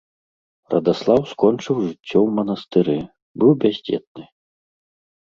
Радаслаў скончыў жыццё ў манастыры, быў бяздзетны.